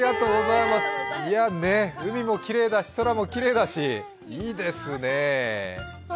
海もきれいだし空もきれいだしいいですねぇ。